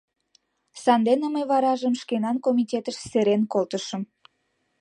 Сандене мый варажым шкенан комитетыш серен колтышым.